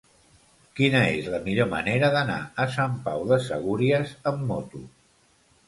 Quina és la millor manera d'anar a Sant Pau de Segúries amb moto?